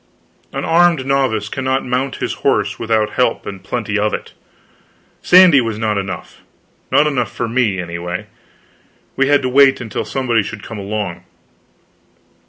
An armed novice cannot mount his horse without help and plenty of it. Sandy was not enough; not enough for me, anyway. We had to wait until somebody should come along.